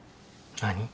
何？